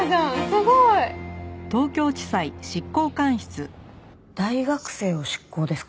すごい！大学生を執行ですか？